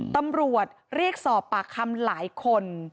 ตำรวจเรียกสอบปากคำหลายคน